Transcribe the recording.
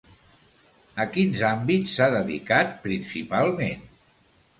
A quins àmbits s'ha dedicat principalment?